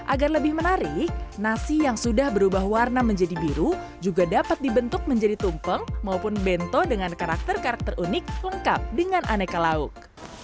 agar lebih menarik nasi yang sudah berubah warna menjadi biru juga dapat dibentuk menjadi tumpeng maupun bento dengan karakter karakter unik lengkap dengan aneka lauk